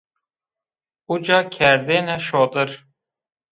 Uca kerdêne şodir